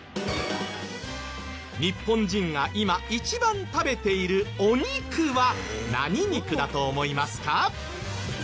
日本人が今一番食べているお肉は何肉だと思いますか？